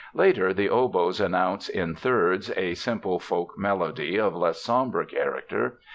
Later the oboes announce, in thirds, a simple folk melody of less sombre character.